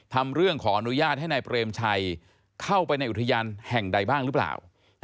ทำเรื่องขออนุญาตให้นายเปรมชัยเข้าไปในอุทยานแห่งใดบ้างหรือเปล่า